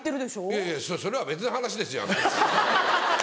いやいやそれは別の話ですよ。